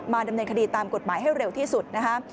ดำเนินคดีตามกฎหมายให้เร็วที่สุดนะคะ